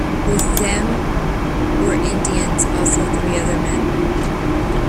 With them were Indians, also three other men.